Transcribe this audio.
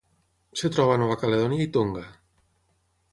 Es troba a Nova Caledònia i Tonga.